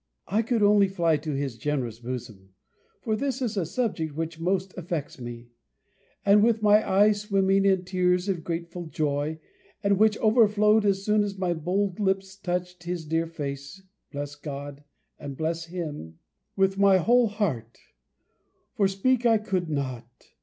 I could only fly to his generous bosom (for this is a subject which most affects me), and, with my eyes swimming in tears of grateful joy, and which overflowed as soon as my bold lips touched his dear face, bless God, and bless him, with my whole heart; for speak I could not!